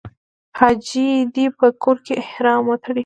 حاجي دې په کور کې احرام وتړي.